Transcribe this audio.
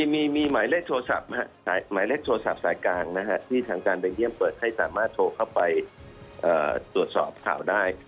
มีหมายเลขโทรศัพท์หมายเลขโทรศัพท์สายกลางที่ทางการเบลเยี่ยมเปิดให้สามารถโทรเข้าไปตรวจสอบข่าวได้